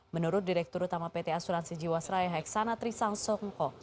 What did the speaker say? menurut direktur utama pt asuransi jiwasraya heksana trisangsongko